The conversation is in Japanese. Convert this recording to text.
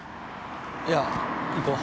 いや行こう。